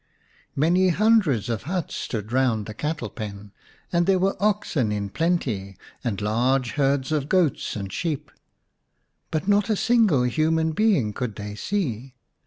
Many hundreds of huts stood round the cattle pen, and there were oxen in plenty and large herds of goats and sheep, but not a single human being could they see.